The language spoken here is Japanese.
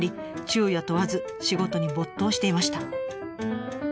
昼夜問わず仕事に没頭していました。